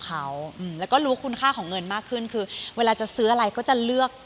เขาอืมแล้วก็รู้คุณค่าของเงินมากขึ้นคือเวลาจะซื้ออะไรก็จะเลือก